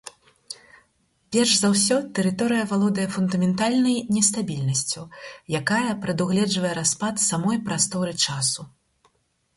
Перш за ўсё, тэорыя валодае фундаментальнай нестабільнасцю, якая прадугледжвае распад самой прасторы-часу.